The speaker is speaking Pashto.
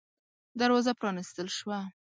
دروازه پرانستل شوه.